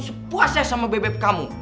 sepuasai sama beb beb kamu